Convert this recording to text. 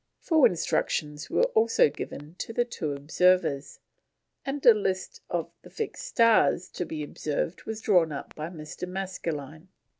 Full instructions were also given to the two observers, and a list of the fixed stars to be observed was drawn up by Mr. Maskelyne.